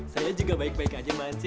saya juga baik baik aja mbak sih